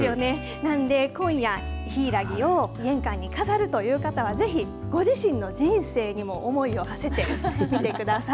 なんで、今夜、ヒイラギを玄関に飾るという方は、ぜひ、ご自身の人生にも思いをはせてみてください。